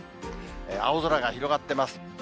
青空が広がってます。